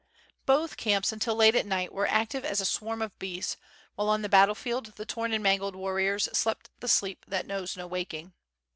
Both camps until late at night were active as a swarm of bees, while on the battle field the torn and mangled warriors slept the sleep that knows no waking.